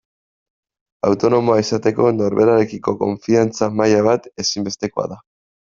Autonomoa izateko norberarekiko konfiantza maila bat ezinbestekoa da.